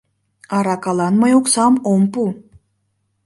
Аракалан мый оксам ом пу.